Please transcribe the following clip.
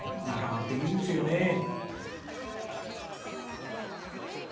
仲間っていいですよね。